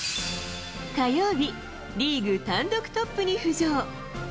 火曜日、リーグ単独トップに浮上。